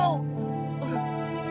aku sudah menyerahkan